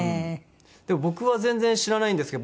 僕は全然知らないんですけど